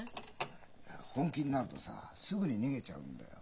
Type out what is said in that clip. いや本気になるとさすぐに逃げちゃうんだよ。